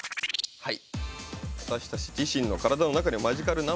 はい。